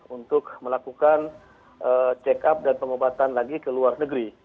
untuk melakukan check up dan pengobatan lagi ke luar negeri